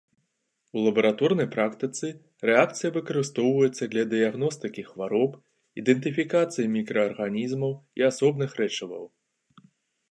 У лабараторнай практыцы рэакцыя выкарыстоўваецца для дыягностыкі хвароб, ідэнтыфікацыі мікраарганізмаў і асобных рэчываў.